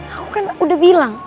aku kan udah bilang